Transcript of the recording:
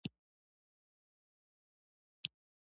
ناتان د رېل په ارزښت پوه شو.